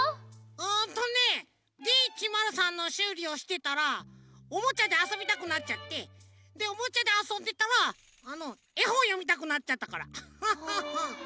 うんとねＤ１０３のしゅうりをしてたらおもちゃであそびたくなっちゃってでおもちゃであそんでたらあのえほんよみたくなっちゃったからアハハハ。